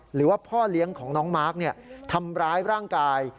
หรือว่าพ่อเลี้ยงของน้องมาร์คทำร้ายร่างกาย